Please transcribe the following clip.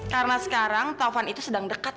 karena sekarang tovan itu sedang deket